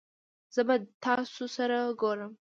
زه به تاسو سره ګورم